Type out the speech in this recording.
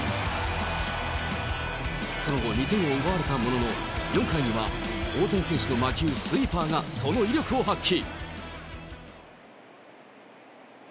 その後、２点を奪われたものの、４回には大谷選手の魔球、スイーパーがその威力を発揮。